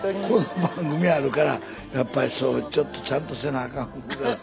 この番組あるからやっぱりそうちょっとちゃんとせなあかん。